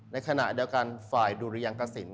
ในขณะเดียวกันฝ่ายดุรยังกสิน